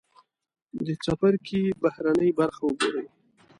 د سترکې بهرنۍ برخه و ګورئ.